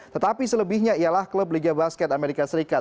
tetapi selebihnya ialah klub liga basket amerika serikat